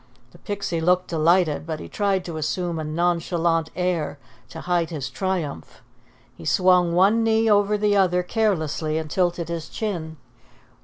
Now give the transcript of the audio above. The Pixie looked delighted, but he tried to assume a nonchalant air to hide his triumph. He swung one knee over the other carelessly and tilted his chin.